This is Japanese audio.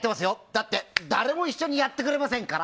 だって、誰も一緒にやってくれませんから。